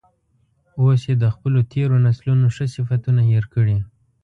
اوس یې د خپلو تیرو نسلونو ښه صفتونه هیر کړي.